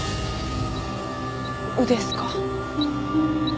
「う」ですか？